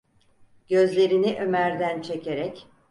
Gözlerini Ömer’den çekerek: